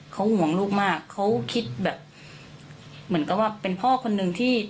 เขาห่วงลูกมากเขาคิดแบบเหมือนกับว่าเป็นพ่อคนนึงที่